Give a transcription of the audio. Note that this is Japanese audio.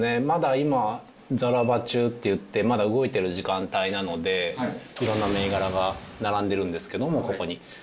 まだ今、ザラ場中って言って、まだ動いてる時間帯なので、いろんな銘柄が並んでるんですけども、ここに。